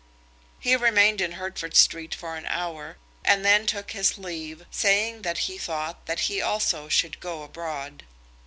He remained in Hertford Street for an hour, and then took his leave, saying that he thought that he also should go abroad.